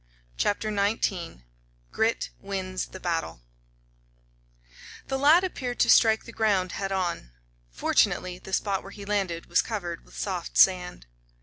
CHAPTER XIX GRIT WINS THE BATTLE The lad appeared to strike the ground head on. Fortunately, the spot where he landed was covered with soft sand.